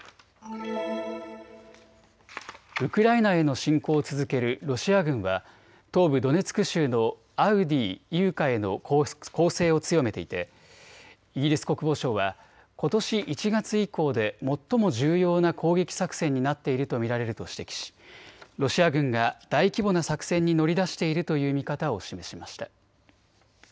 ウクライナへの侵攻を続けるロシア軍は東部ドネツク州のアウディーイウカへの攻勢を強めていてイギリス国防省はことし１月以降で最も重要な攻撃作戦になっていると見られると指摘しロシア軍が大規模な作戦に乗り出しているという見方を示しました。